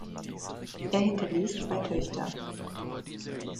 Er hinterließ zwei Töchter.